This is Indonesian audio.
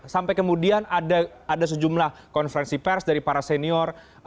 sampai kemudian ada sejumlah konferensi pers dari para senior